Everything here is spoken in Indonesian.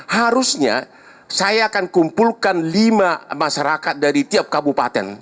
harusnya saya akan kumpulkan lima masyarakat dari tiap kabupaten